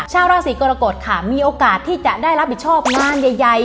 ชาวราศีกรกฎค่ะมีโอกาสที่จะได้รับผิดชอบงานใหญ่